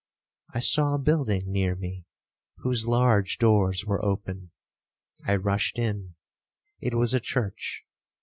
I saw a building near me, whose large doors were open. I rushed in—it was a church.